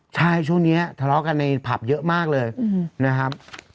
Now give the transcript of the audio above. ใช่ช่วงนี้ทะเลาะกันในผับเยอะมากเลยนะครับ